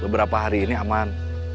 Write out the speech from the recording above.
beberapa hari ini aman